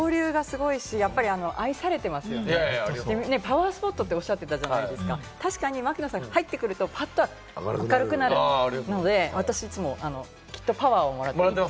本当に愛されてますよね、パワースポットっておっしゃってたじゃないですか、確かに槙野さんが入ってくると、ぱっと明るくなるので私、きっといつもパワーをもらってます。